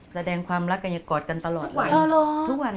แสดงความรักกันอยากกอดกันตลอดเลย